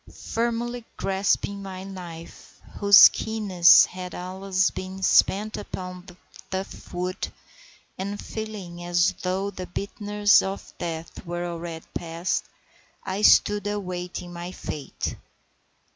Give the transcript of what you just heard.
Firmly grasping my knife, whose keenness had, alas, been spent upon the tough wood, and feeling as though the bitterness of death were already past, I stood awaiting my fate.